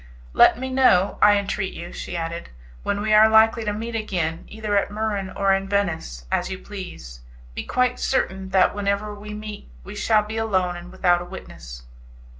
"Let me know, I entreat you," she added, "when we are likely to meet again, either at Muran or in Venice, as you please. Be quite certain that whenever we meet we shall be alone and without a witness."